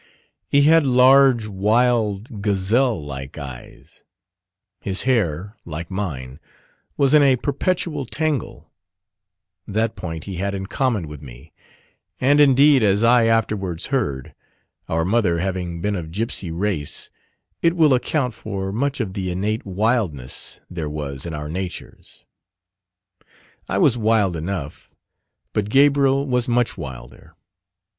He had large, wild, gazelle like eyes: his hair, like mine, was in a perpetual tangle that point he had in common with me, and indeed, as I afterwards heard, our mother having been of gipsy race, it will account for much of the innate wildness there was in our natures. I was wild enough, but Gabriel was much wilder.